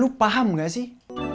lu paham gak sih